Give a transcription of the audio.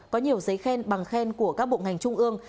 có nhiều giấy khen bằng khen của các bộ ngành trung ương